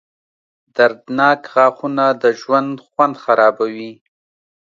• دردناک غاښونه د ژوند خوند خرابوي.